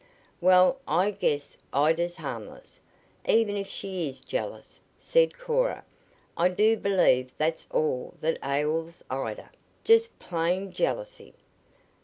"Well, I guess Ida's harmless, even if she is jealous," said Cora. "I do believe that's all that ails Ida just plain jealousy."